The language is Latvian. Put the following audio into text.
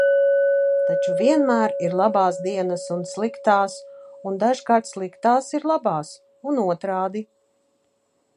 Taču vienmēr ir labās dienas un sliktās, un dažkārt sliktās ir labās un otrādi.